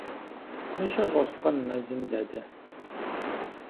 Мыщэ щӀэскъэ мы мэзым, дадэ?